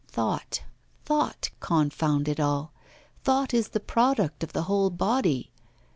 Thought, thought, confound it all! thought is the product of the whole body.